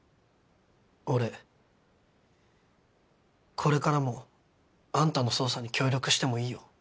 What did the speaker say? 俺これからもあんたの捜査に協力してもいいよ。